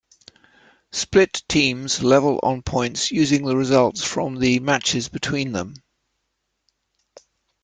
Split teams level on points using the results from the matches between them.